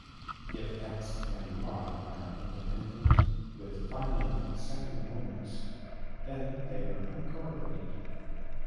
If "X" and "Y" are independent, with finite second moments, then they are uncorrelated.